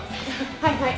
はいはい。